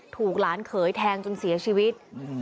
ถูกหลานเขยแทงจนเสียชีวิต